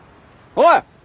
おい！